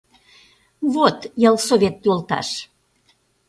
— Вот, ялсовет йолташ...